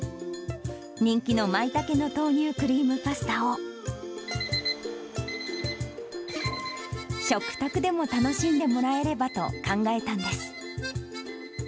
人気の舞茸の豆乳クリームパスタを、食卓でも楽しんでもらえればと考えたんです。